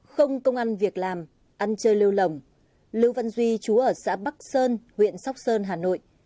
không công an việc làm ăn chơi lưu lồng lưu văn duy chú ở xã bắc sơn huyện sóc sơn hà nội